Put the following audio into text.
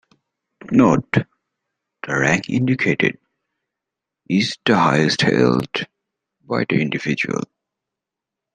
Note: the rank indicated is the highest held by the individual.